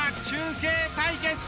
中継対決。